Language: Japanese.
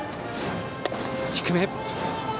低め。